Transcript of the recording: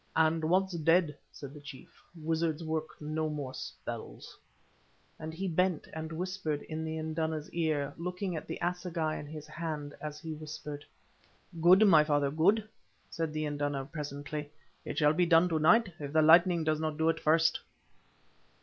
"And once dead," said the chief, "wizards work no more spells," and he bent and whispered in the induna's ear, looking at the assegai in his hand as he whispered. "Good, my father, good!" said the induna, presently. "It shall be done to night, if the lightning does not do it first."